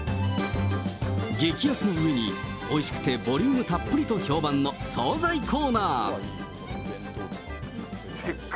激安のうえに、おいしくてボリュームたっぷりと評判の総菜コーナー。